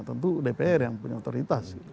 tentu dpr yang punya otoritas